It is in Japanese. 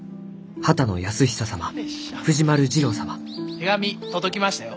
手紙届きましたよ。